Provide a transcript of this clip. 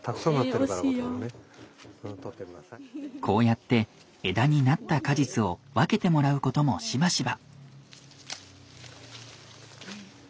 こうやって枝になった果実を分けてもらうこともしばしば。